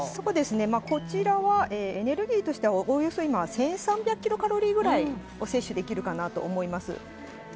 こちらはエネルギーとしては１３００キロカロリーくらい摂取できるかなと思います。